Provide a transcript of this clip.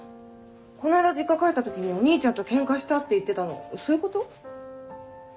この間実家帰った時にお兄ちゃんとケンカしたって言ってたのそういうこと？